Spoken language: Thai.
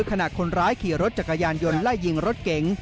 ขณะคนร้ายขี่รถจักรยานยนต์ไล่ยิงรถเก๋ง